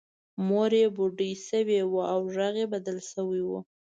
مور یې بوډۍ شوې وه او غږ یې بدل شوی و